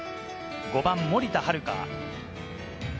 ５番、森田遥。